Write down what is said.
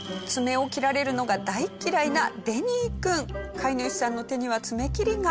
飼い主さんの手には爪切りが。